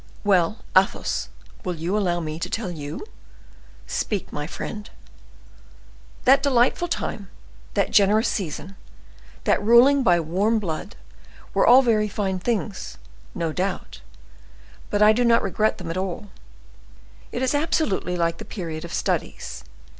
"Well! Athos, will you allow me to tell you?" "Speak, my friend!" "That delightful time, that generous season, that ruling by warm blood, were all very fine things, no doubt: but I do not regret them at all. It is absolutely like the period of studies.